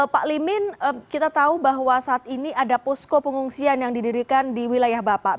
pak limin kita tahu bahwa saat ini ada posko pengungsian yang didirikan di wilayah bapak